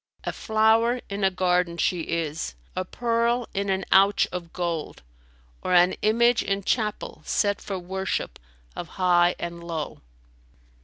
A flower in a garden she is, a pearl in an ouch of gold * Or an image in chapel[FN#291] set for worship of high and low.